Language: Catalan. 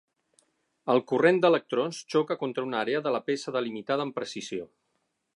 El corrent d'electrons xoca contra una àrea de la peça delimitada amb precisió.